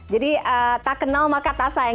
jadi tak kenal maka tak sayang